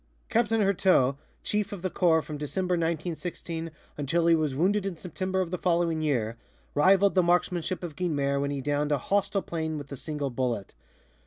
Captain Heurteaux, chief of the corps from December, 1916, until he was wounded in September of the following year, rivaled the marksmanship of Guynemer when he downed a hostile plane with a single bullet.